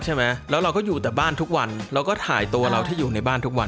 ใช่ไหมแล้วเราก็อยู่แต่บ้านทุกวันเราก็ถ่ายตัวเราที่อยู่ในบ้านทุกวัน